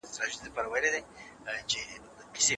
زده کړه یوه ټولنیزه پروسه ده.